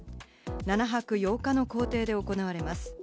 ７泊８日の行程で行われます。